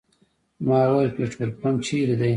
ما وویل پټرول پمپ چېرې دی.